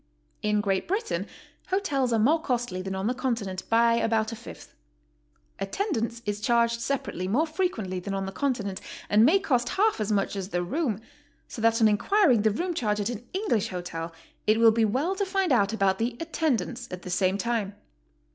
In Great Britain hotels are more costly than on the Con tinent, by about a fifth. "Attendance" is' charged separately more frequently than on the Continent, and may cost half as much as the room, so that on inquiring the rcnom charge at an English hotel, it will be well to find out about the "attend ance" at the same time.